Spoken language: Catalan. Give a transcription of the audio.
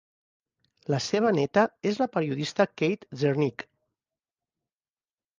La seva neta és la periodista Kate Zernike.